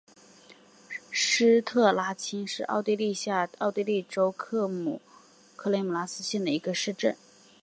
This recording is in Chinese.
施特拉青是奥地利下奥地利州克雷姆斯兰县的一个市镇。